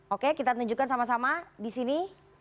oke kita tunjukkan sama sama di sini